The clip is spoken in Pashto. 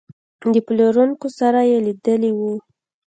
د پلورونکو سره یې لیدلي وو.